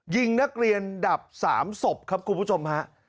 ยิงนักเรียนดับ๓ศพครับคุณผู้ชมฮะ